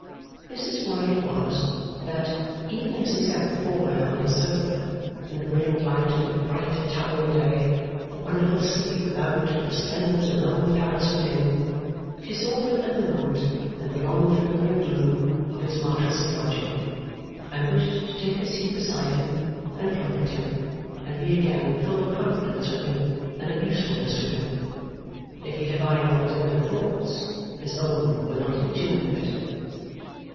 This is why it was, that, even as he sat before her on his sofa, in the brilliant light of a bright Italian day, the wonderful city without and the splendours of an old palace within, she saw him at the moment in the long familiar gloom of his Marshalsea lodging, and wished to take her seat beside him, and comfort him, and be again full of confidence with him, and of usefulness to him. If he divined what was in her thoughts, his own were not in tune with it.